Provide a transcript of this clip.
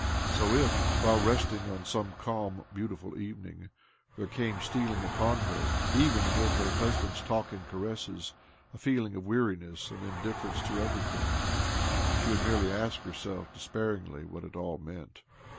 So if, while resting on some calm', beautiful evening, there came stealing uppn her, even amid her OBLOMOV 251 htisband's talk and caresses, a feeling of weariness and indifference to everything, she would merely ask herself despairingly what it all meant.